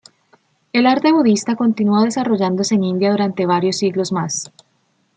El arte budista continuó desarrollándose en India durante varios siglos más.